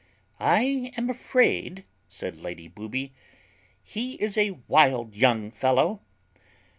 "I am afraid," said Lady Booby, "he is a wild young fellow."